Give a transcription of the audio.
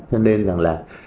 cho nên rằng là